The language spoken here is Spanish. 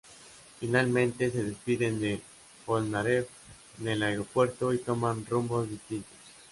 Finalmente, se despiden de Polnareff en el aeropuerto y toman rumbos distintos.